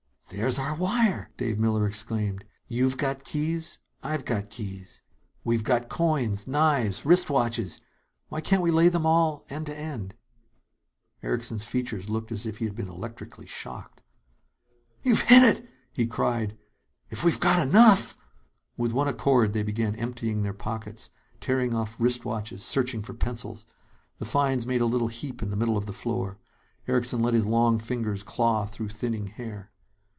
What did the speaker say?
"There's our wire!" Dave Miller exclaimed. "You've got keys; I've got keys. We've got coins, knives, wristwatches. Why can't we lay them all end to end " Erickson's features looked as if he had been electrically shocked. "You've hit it!" he cried. "If we've got enough!" With one accord, they began emptying their pockets, tearing off wristwatches, searching for pencils. The finds made a little heap in the middle of the floor. Erickson let his long fingers claw through thinning hair.